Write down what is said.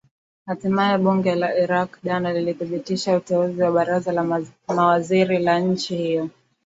hatimaye bunge la iraq jana lilithibitisha uteuzi wa baraza la mawaziri la nchi hiyo